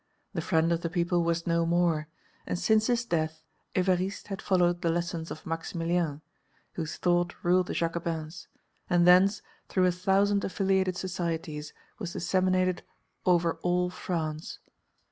The Friend of the People was no more, and since his death Évariste had followed the lessons of Maximilien whose thought ruled the Jacobins, and thence, through a thousand affiliated societies was disseminated over all France.